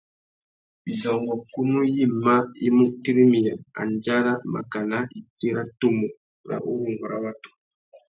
Widôngôkunú yïmá i mu tirimiya andjara makana itsi râ tumu râ urrôngô râ watu.